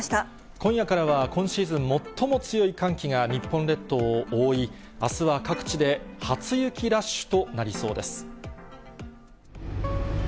今夜からは、今シーズン最も強い寒気が日本列島を覆い、あすは各地で初雪ラッシュとなりそうです。